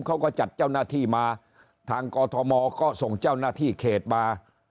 เขาก็จัดเจ้าหน้าที่มาทางกอทมก็ส่งเจ้าหน้าที่เขตมา